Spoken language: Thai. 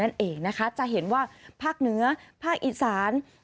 นั่นเองนะคะจะเห็นว่าภาคเหนือภาคอีสาน